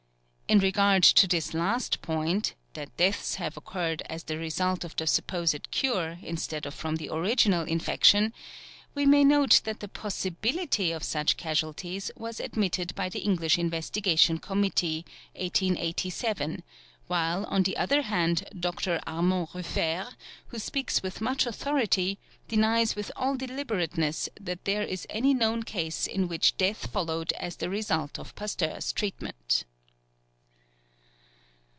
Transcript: In regard to this last point that deaths have occurred as the result of the supposed cure, instead of from the original infection we may note that the possibility of such casualties was admitted by the English Investigation Committee (1887), while, on the other hand, Dr. Armand Ruffer, who speaks with much authority, denies with all deliberateness that there is any known case in which death followed as the result of Pasteur's treatment.